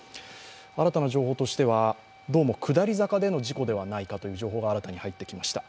新たな情報としてはどうも下り坂での事故ではないかという新たな情報が入ってきました。